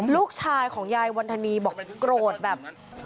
ลูกชายของยายวันธนีบอกโกรธแบบ